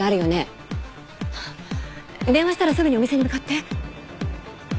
電話したらすぐにお店に向かって。